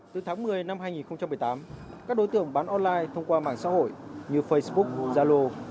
từ tháng một mươi năm hai nghìn một mươi tám các đối tượng bán online thông qua mạng xã hội như facebook zalo